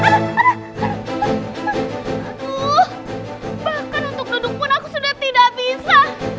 aduh bahkan untuk duduk pun aku sudah tidak bisa